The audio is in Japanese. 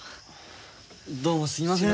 どうもすいません。